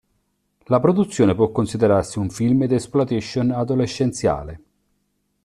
La produzione può considerarsi un film d'exploitation adolescenziale.